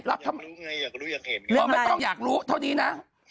ไม่ต้องอยากรู้เท่านี้นะ